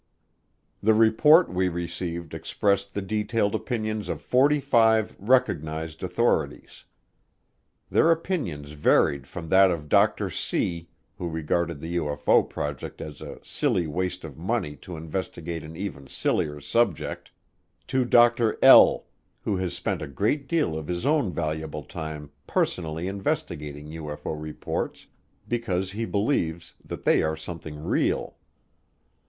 The report we received expressed the detailed opinions of forty five recognized authorities. Their opinions varied from that of Dr. C, who regarded the UFO project as a "silly waste of money to investigate an even sillier subject," to Dr. L, who has spent a great deal of his own valuable time personally investigating UFO reports because he believes that they are something "real."